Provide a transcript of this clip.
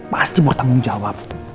pasti bertanggung jawab